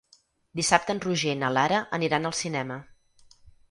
Dissabte en Roger i na Lara aniran al cinema.